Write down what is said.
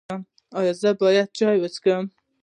ایا زه باید چای وڅښم؟